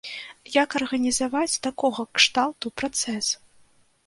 Як арганізаваць такога кшталту працэс?